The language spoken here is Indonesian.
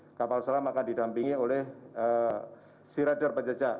di dalam penembakan tersebut kapal selam akan didampingi oleh si rider penjejak